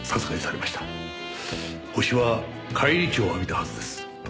ホシは返り血を浴びたはずです。